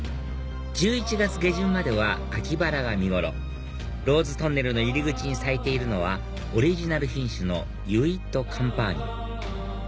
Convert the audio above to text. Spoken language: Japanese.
１１月下旬までは秋バラが見頃ローズトンネルの入り口に咲いているのはオリジナル品種のユイットカンパーニュ